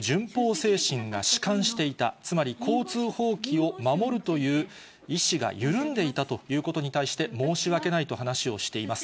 精神が弛緩していた、つまり交通法規を守るという意思が緩んでいたということに対して、申し訳ないと話をしております。